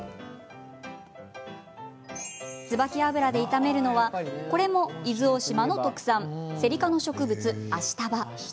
椿油で炒めるのはこれも伊豆大島の特産セリ科の植物、アシタバ。